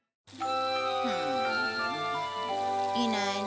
うーんいないな。